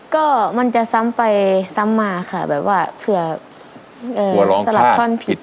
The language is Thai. ก็มันจะซ้ำไปซ้ำมาค่ะแบบว่าเผื่อร้องสลับท่อนผิด